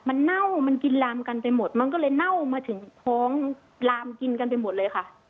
มันเน่ามันกินลามกันไปหมดมันก็เลยเน่ามาถึงท้องลามกินกันไปหมดเลยค่ะ